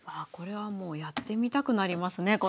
これはもうやってみたくなりますね